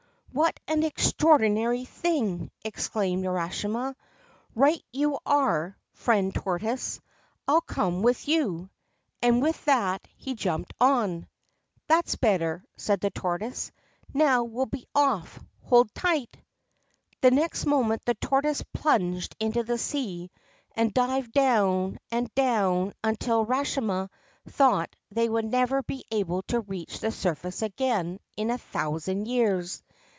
'What an extraordinary thing !' exclaimed Urashima. 'Right you are, friend tortoise, I'll come with you.' And with that he jumped on. 'That's better/ said the tortoise; 'now we'll be off. Hold tight !' The next moment the tortoise plunged into the sea, and dived down and down until Urashima thought they would never be able to reach the surface again in a thousand years.